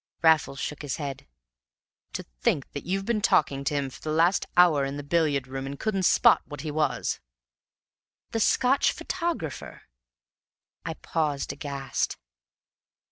Raffles shook his head. "To think that you've been talking to him for the last hour in the billiard room and couldn't spot what he was!" "The Scotch photographer " I paused aghast.